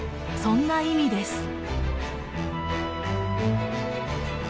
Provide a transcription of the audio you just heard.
そんな意味です。